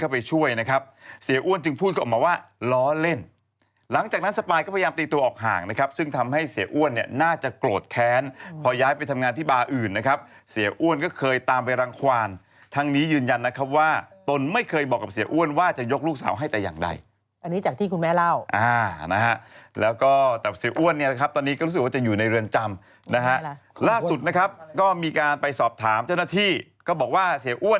พอแค้นพอย้ายไปทำงานที่บาร์อื่นนะครับเสียอ้วนก็เคยตามไปรังควารทั้งนี้ยืนยันนะครับว่าตนไม่เคยบอกกับเสียอ้วนว่าจะยกลูกสาวให้แต่อย่างใดอันนี้จากที่คุณแม่เล่าอ่านะฮะแล้วก็แต่เสียอ้วนเนี่ยครับตอนนี้ก็รู้สึกว่าจะอยู่ในเรือนจำนะฮะล่าสุดนะครับก็มีการไปสอบถามเจ้าหน้าที่ก็บอกว่าเสียอ้วน